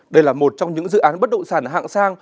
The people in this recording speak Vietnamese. đây là một trong những dự án bất động sản hạng sang